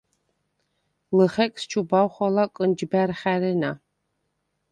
ლჷხეკს ჩუბავ ხოლა კჷნჯბა̈რ ხა̈რენა.